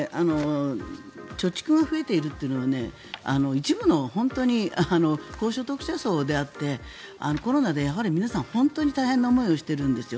貯蓄が増えているというのは一部の本当に高所得者層であってコロナで皆さん本当に大変な思いをしているんです。